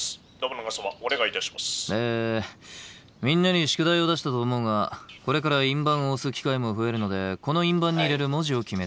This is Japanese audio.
みんなに宿題を出したと思うがこれから印判を押す機会も増えるのでこの印判に入れる文字を決めたい。